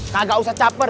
kagak usah caper